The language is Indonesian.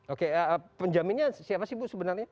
oke penjaminnya siapa sih bu sebenarnya